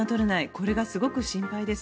これがすごく心配です。